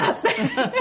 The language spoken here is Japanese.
ハハハハ。